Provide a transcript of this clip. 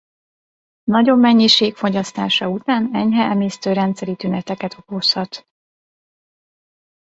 Nagyobb mennyiség fogyasztása után enyhe emésztőrendszeri tüneteket okozhat.